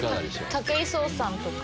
武井壮さんとか。